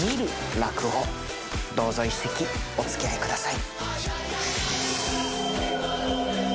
落語どうぞ一席おつきあい下さい。